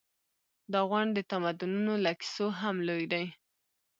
دا غونډ د تمدنونو له کیسو هم لوی دی.